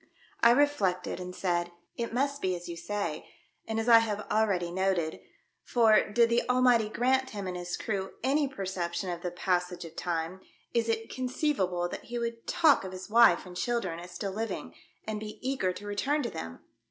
I reflected, and said, "It must be as you say, and as I have ah'eady noted ; for, did the Almighty grant him and his crew any perception of the passage of time, is it con ceivable that he would talk of his wife and children as still living, and be eager to return to them